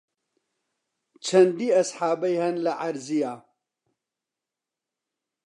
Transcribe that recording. چەندی ئەسحابەی هەن لە عەرزییە